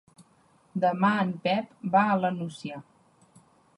Demà en Pep va a la Nucia.